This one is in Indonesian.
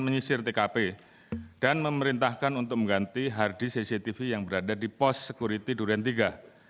menyisir tkp dan memerintahkan untuk mengganti harddisk cctv yang berada di pos sekuriti durian iii